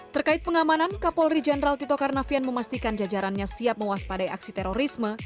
terkait pengamanan kapolri jenderal tito karnavian memastikan jajarannya siap mewaspadai aksi terorisme